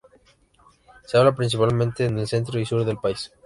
Se habla principalmente en el centro y sur del país.